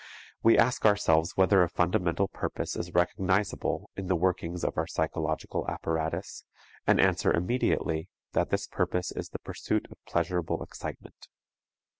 We ask ourselves whether a fundamental purpose is recognizable in the workings of our psychological apparatus, and answer immediately that this purpose is the pursuit of pleasurable excitement.